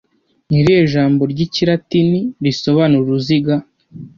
Ni irihe jambo ry'ikilatini risobanura uruziga -